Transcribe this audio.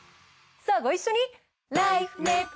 さぁご一緒に！